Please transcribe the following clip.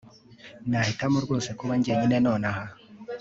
Nahitamo rwose kuba jyenyine nonaha